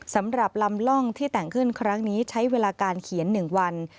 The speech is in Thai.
สำหรับลำล่องที่แต่งขึ้นครั้งนี้ใช้เวลาการเขียน๑วัน